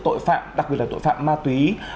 tội phạm đặc biệt là tội phạm ma túy